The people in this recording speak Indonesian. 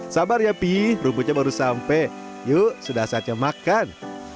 sabar ya pih rumputnya baru sampai yuk sudah saatnya makan